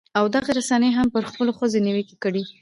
او دغې رسنۍ هم پر هغو ښځو نیوکې کړې